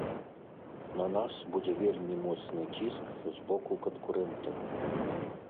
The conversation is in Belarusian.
На нас будзе вельмі моцны ціск з боку канкурэнтаў.